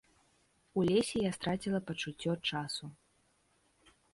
У лесе я страціла пачуццё часу.